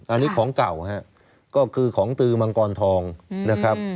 อันนี้ของเก่าฮะก็คือของตือมังกรทองนะครับ